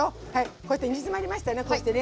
こうやって煮詰まりましたねこうしてね。